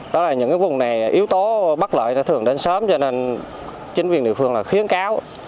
đó là những vùng này yếu tố bất lợi thường đến sớm cho nên chính quyền địa phương là khuyến cáo